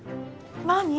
何？